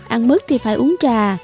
ăn mức thì phải uống trà